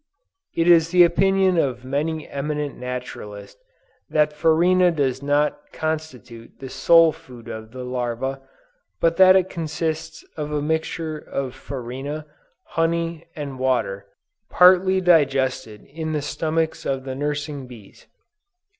It is the opinion of many eminent naturalists that farina does not constitute the sole food of the larva, but that it consists of a mixture of farina, honey and water, partly digested in the stomachs of the nursing bees."